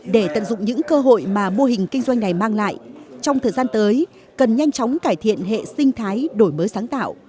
để tận dụng những cơ hội mà mô hình kinh doanh này mang lại trong thời gian tới cần nhanh chóng cải thiện hệ sinh thái đổi mới sáng tạo